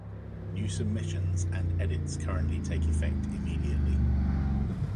New submissions and edits currently take effect immediately.